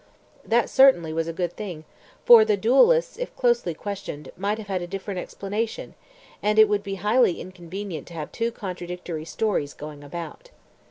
That certainly was a good thing, for the duellists if closely questioned might have a different explanation, and it would be highly inconvenient to have two contradictory stories going about.